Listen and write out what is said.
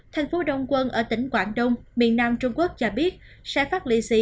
thành phố đông quân ở tỉnh quảng đông miền nam trung quốc cho biết sẽ phát lị xị